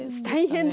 大変。